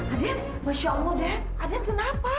adem masya allah dad kenapa